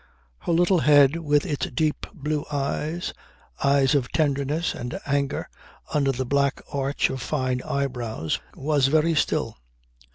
Her little head with its deep blue eyes, eyes of tenderness and anger under the black arch of fine eyebrows was very still.